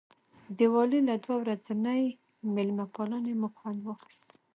د والي له دوه ورځنۍ مېلمه پالنې مو خوند واخیست.